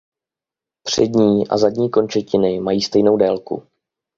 Přední a zadní končetiny mají stejnou délku.